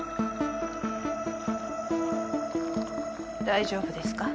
大丈夫ですか？